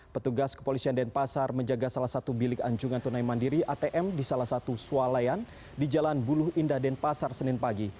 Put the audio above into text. petugas kepolisian denpasar menjaga salah satu bilik anjungan tunai mandiri atm di salah satu sualayan di jalan buluh indah denpasar senin pagi